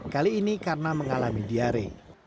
kali ini karena mengalami diare